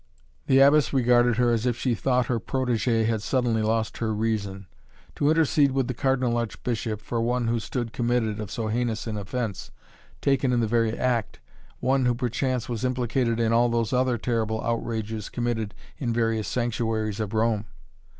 The Abbess regarded her as if she thought her protege had suddenly lost her reason. To intercede with the Cardinal Archbishop for one who stood committed of so heinous an offence, taken in the very act, one who, perchance, was implicated in all those other terrible outrages committed in the various sanctuaries of Rome!